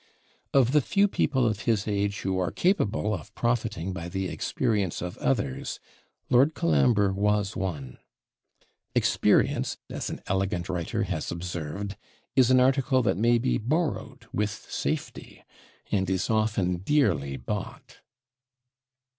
Of the few people of his age who are capable of profiting by the experience of others, Lord Colambre was one. 'Experience,' as an elegant writer has observed, 'is an article that may be borrowed with safety, and is often dearly bought.'